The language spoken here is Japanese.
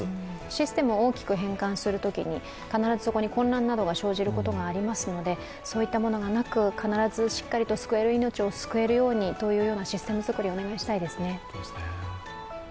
システムを大きく変換するときに、必ずそこに混乱などが生じることがありますので、そういったものがなく、必ずしっかりと救える命を救えるようにというシステム作りをお願いしたいですね。